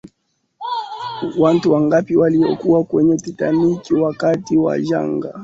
watu wangapi waliyokuwa kwenye titanic wakati wa janga